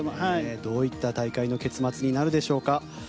どういった大会の結末になるでしょうか。